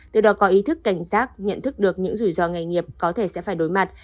từ đó có ý thức cảnh giác nhận thức được những rủi ro nghề nghiệp có thể sẽ phải đối mặt